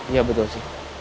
iya betul sih